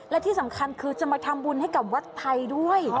และที่สำคัญคือจะมาทำบุญให้กับวัดไทยด้วย